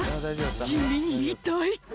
地味に痛い」